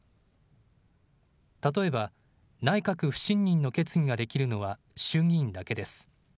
例えば、内閣不信任の決議ができるのは衆議院だけです。